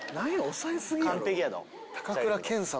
抑え過ぎやろ。